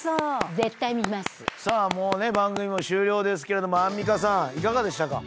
さあもうね番組も終了ですけれどもアンミカさんいかがでしたか？